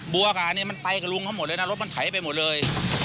บัวกับอันนี้มันไปกับลุงเขาหมดเลยนะรถมันไถไปหมดเลย